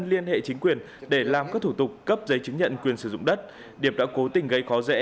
liên hệ chính quyền để làm các thủ tục cấp giấy chứng nhận quyền sử dụng đất điệp đã cố tình gây khó dễ